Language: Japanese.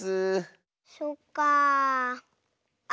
そっかあ。